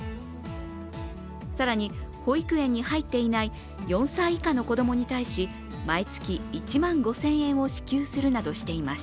更に、保育園に入っていない４歳以下の子供に対し毎月１万５０００円を支給するなどしています。